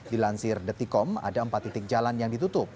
dilansir detikom ada empat titik jalan yang ditutup